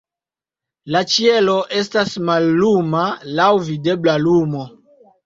La ĉielo estas malluma, laŭ videbla lumo.